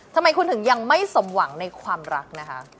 ทำไมคุณถึงยังไม่สมหวังในความรักนะคะ